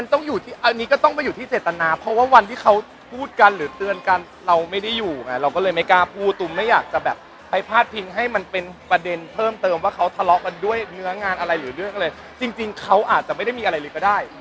ต้องอยู่ที่อันนี้ก็ต้องไปอยู่ที่เจตนาเพราะว่าวันที่เขาพูดกันหรือเตือนกันเราไม่ได้อยู่ไงเราก็เลยไม่กล้าพูดตูมไม่อยากจะแบบไปพาดพิงให้มันเป็นประเด็นเพิ่มเติมว่าเขาทะเลาะกันด้วยเนื้องานอะไรหรือเรื่องอะไรจริงเขาอาจจะไม่ได้มีอะไรเลยก็ได้